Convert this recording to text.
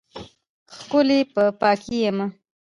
ښکلی په پاکۍ یمه